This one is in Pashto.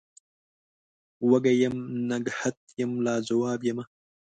وږم یم نګهت یم لا جواب یمه